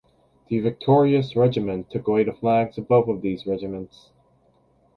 The victorious regiment took away the flags of both of these regiments.